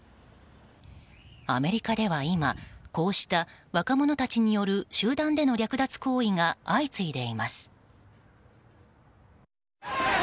アメリカでは今こうした、若者たちによる集団での略奪行為が相次いでいます。